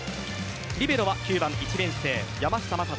リベロは９番１年生・山下聖斗。